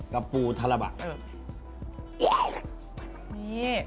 กับปูธรรมะ